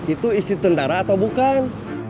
itu isi tentara atau bukan